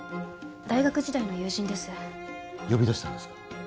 大学時代の友人です呼び出したんですか？